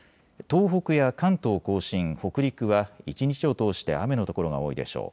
東北や関東甲信、北陸は一日を通して雨の所が多いでしょう。